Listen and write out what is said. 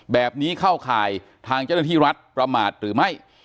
แบบนี้เข้าข่ายทางเจ้าหน้าที่รัฐประมาทหรือไม่